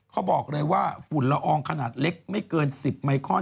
เขาบอกเลยว่าฝุ่นละอองขนาดเล็กไม่เกิน๑๐ไมคอน